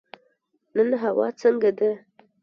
نن هوا څنګه ده؟